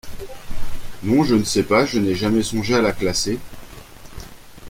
Non, je ne sais pas, je n’ai jamais songé à la classer…